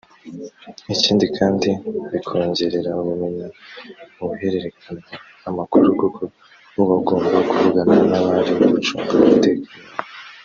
Ikindi kandi bikongerera ubumenyi mu guhererekanya amakuru kuko uba ugomba kuvugana n’abari gucunga umutekano wawe